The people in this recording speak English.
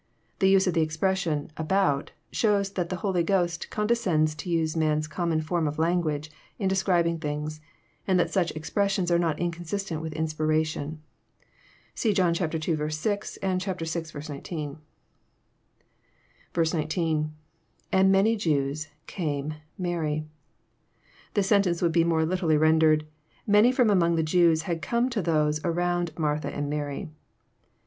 The use of the expression, " about," shows that the Holy Ghost condescends to use man's common form of language in describ ing things, and that such expressions are not inconsistent with Inspiration. (See John 11. 6, and vi. 19.) 10.— [^nd many JeiD8,.,came»..Mary,'] This sentence would be more literally rendered, '' Many h'om among the Jews had come to those around Martha and Mary."